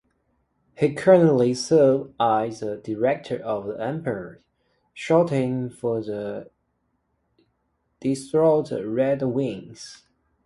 He currently serves as Director of amateur scouting for the Detroit Red Wings.